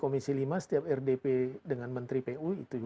ketika saya di komisi lima setiap rdp dengan menteri pu itu juga saya sampaikan gitu